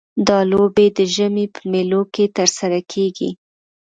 دا لوبې د ژمي په میلوں کې ترسره کیږي